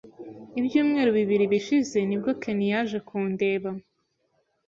Ibyumweru bibiri bishize nibwo Ken yaje kundeba .